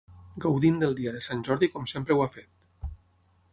Gaudint del dia de Sant Jordi com sempre ho ha fet.